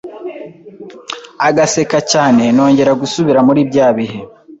agaseka cyane nongera gusubira muri bya bihe